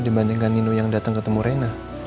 dibandingkan nino yang datang ketemu reina